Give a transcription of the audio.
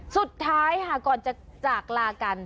สุดท้ายค่ะก่อนจะจากลากัน